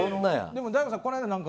でも、大悟さん